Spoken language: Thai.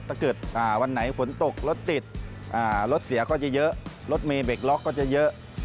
ถ้าเกิดวันไหนฝนตกรถติดรถเสียก็จะเยอะรถเมย์เบรกล็อกก็จะเยอะ